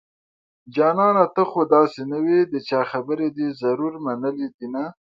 جانانه ته خو داسې نه وي د چا خبرې دې ضرور منلي دينه